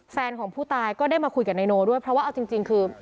แฟนของผู้ตายก็ได้มาคุยกับนายโนด้วยเพราะว่าเอาจริงคือ